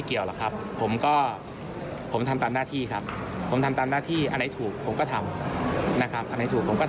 เพราะฉะนั้นเท่านั้นเองไม่มีอะไรซับซ้อนค่ะ